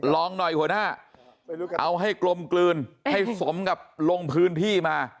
ลองหน่อยหัวหน้าเอาให้กลมกลืนให้สมกับลงพื้นที่มา